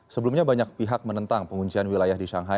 sebelumnya banyak pihak menentang penguncian wilayah di shanghai